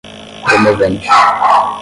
promovente